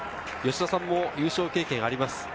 吉田さんも優勝経験があります。